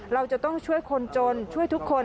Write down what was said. เราจะต้องช่วยคนจนช่วยทุกคน